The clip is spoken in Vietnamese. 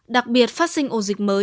đặc biệt phát sinh ổ dịch mới